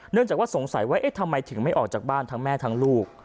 จากว่าสงสัยว่าเอ๊ะทำไมถึงไม่ออกจากบ้านทั้งแม่ทั้งลูก